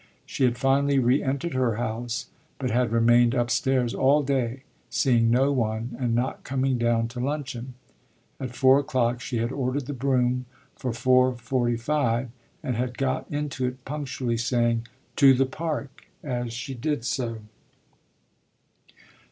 She had finally re entered her house, but had remained upstairs all day, seeing no one and not coming down to luncheon. At four o'clock she had ordered the brougham for four forty five, and had got into it punctually, saying, "To the Park!" as she did so.